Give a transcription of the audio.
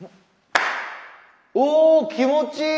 お気持ちいい！